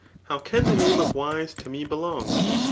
How can the name of wise to me belong.